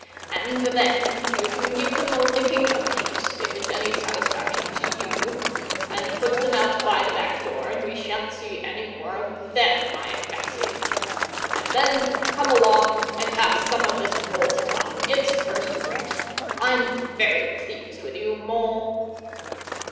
And then you can give them a licking a piece, if it's any satisfaction to you, and put them out by the back door, and we shan't see any more of them, I fancy. And then come along and have some of this cold tongue. It's first rate. I'm very pleased with you, Mole!"